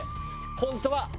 本当は。